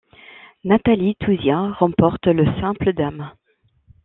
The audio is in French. Nathalie Tauziat remporte le simple dames.